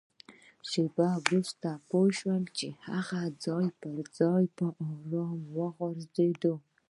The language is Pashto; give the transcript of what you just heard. شېبه وروسته پوه شوم چي هغه ځای پر ځای په ارامۍ وغځېد.